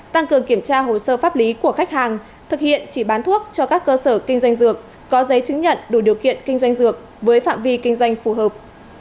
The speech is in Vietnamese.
tăng cường kiểm tra hồ sơ pháp lý của khách hàng thực hiện chỉ bán thuốc cho các cơ sở kinh doanh dược có giấy chứng nhận đủ điều kiện kinh doanh dược với phạm vi kinh doanh phù hợp